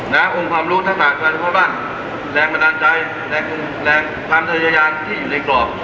แล้ววงความรู้ถ้าสาปแปดทศวรรษบ้างแรงแประดันใจแรงความเถยอยานที่อยู่ในกรอบ